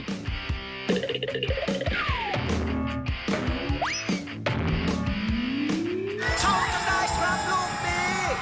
ชอบจำได้ครับรูปปี